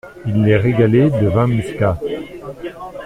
Il les régalait de vin muscat.